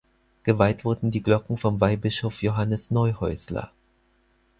Geweiht wurden die Glocken von Weihbischof Johannes Neuhäusler.